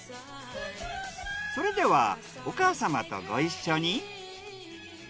それではお母様とご一緒に。